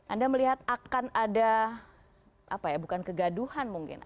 anda melihat akan ada apa ya bukan kegaduhan mungkin